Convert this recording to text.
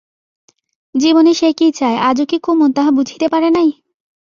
জীবনে সে কী চায়, আজও কি কুমুদ তাহা বুঝিতে পারে নাই?